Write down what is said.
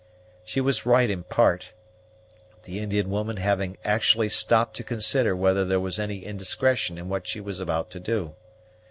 She was right in part, the Indian woman having actually stopped to consider whether there was any indiscretion in what she was about to do.